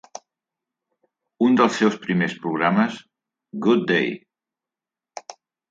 Un dels seus primers programes, "Good Day!".